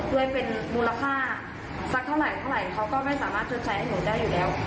ด้วยเป็นมูลค่าสักเท่าไหร่เท่าไหร่เขาก็ไม่สามารถชดใช้ให้หนูได้อยู่แล้ว